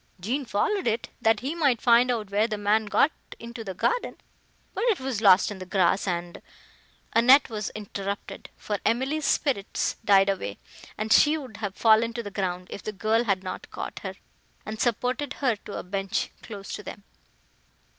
Jean followed it, that he might find out where the man got into the garden, but it was lost in the grass, and—" Annette was interrupted: for Emily's spirits died away, and she would have fallen to the ground, if the girl had not caught her, and supported her to a bench, close to them.